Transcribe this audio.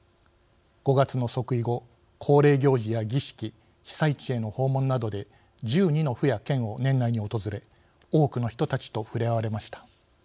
５月の即位後、恒例行事や儀式被災地への訪問などで１２の府や県を年内に訪れ多くの人たちと触れ合われました。